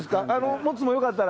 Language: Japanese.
モツもよかったら。